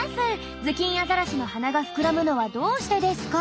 「ズキンアザラシの鼻が膨らむのはどうしてですか？」。